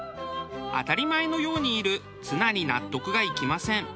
当たり前のようにいるツナに納得がいきません。